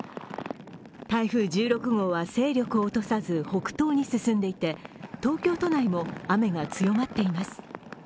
台風１６号は勢力を落とさず北東に進んでいて東京都内も雨が強まっています。